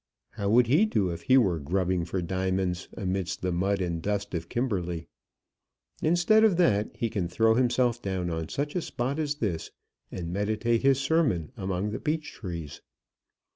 How would he do if he were grubbing for diamonds amidst the mud and dust of Kimberley? Instead of that, he can throw himself down on such a spot as this, and meditate his sermon among the beech trees."